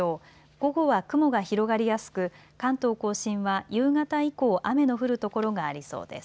午後は雲が広がりやすく関東甲信は夕方以降、雨の降る所がありそうです。